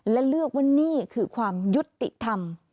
และเลือกว่านี่คือความยุติธรรม